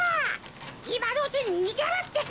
いまのうちににげるってか！